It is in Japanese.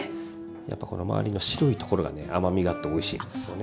やっぱこの周りの白いところがね甘みがあっておいしいんですよね。